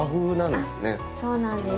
そうなんです